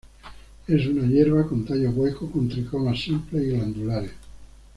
Es una hierba, con tallo hueco con tricomas simples y glandulares.